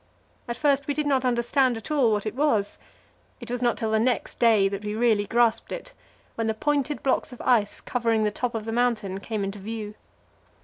At first we did not understand at all what it was; it was not till the next day that we really grasped it, when the pointed blocks of ice covering the top of the mountain came into view.